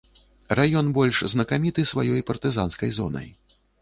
Раён больш знакаміты сваёй партызанскай зонай.